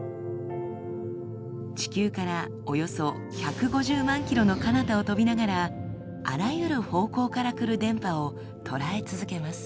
地球からおよそ１５０万ｋｍのかなたを飛びながらあらゆる方向から来る電波を捉え続けます。